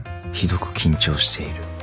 「ひどく」「緊張」「している」